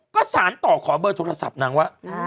ก็สารต่อขอเบอร์โทรศัพท์นางว่า